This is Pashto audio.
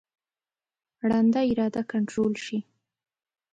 ړنده اراده کنټرول شي.